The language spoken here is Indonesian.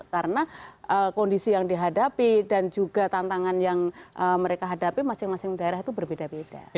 karena kondisi yang dihadapi dan juga tantangan yang mereka hadapi masing masing daerah itu berbeda beda